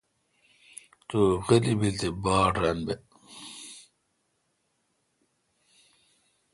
تو غیلی بیل تے باڑ ران بہ۔